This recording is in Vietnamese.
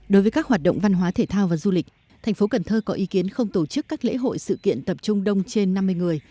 đối với các hoạt động văn hóa thể thao và du lịch thành phố cần thơ có ý kiến không tổ chức các lễ hội sự kiện tập trung đông trên năm mươi người